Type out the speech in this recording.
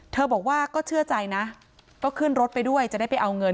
บอกว่าก็เชื่อใจนะก็ขึ้นรถไปด้วยจะได้ไปเอาเงิน